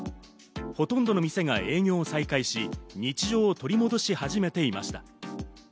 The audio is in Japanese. ほとんどの店が営業を再開し、日常を取り戻し始めていました。